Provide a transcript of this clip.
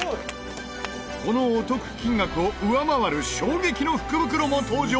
このお得金額を上回る衝撃の福袋も登場！